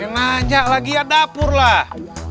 najak lagi ya dapur lah